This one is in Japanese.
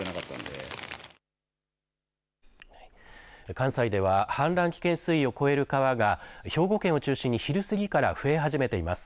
関西では氾濫危険水位を超える川が兵庫県を中心に昼過ぎから増え始めています。